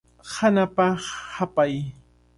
Hanapa hapay.